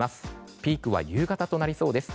ピークは夕方となりそうです。